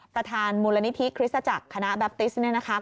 ประธานมูลนิธิคริสตจักรคณะแบปติสเนี่ยนะคะ